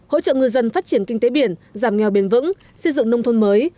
hỗ trợ ngư dân phát triển kinh tế biển giảm nghèo bền vững xây dựng nông thôn mới